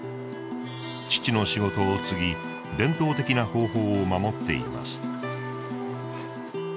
父の仕事を継ぎ伝統的な方法を守っています。